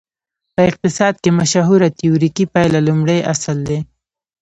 په اقتصاد کې مشهوره تیوریکي پایله لومړی اصل دی.